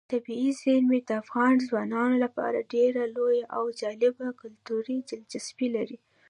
طبیعي زیرمې د افغان ځوانانو لپاره ډېره لویه او جالب کلتوري دلچسپي لري.